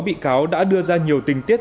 sáu bị cáo đã đưa ra nhiều tình tiết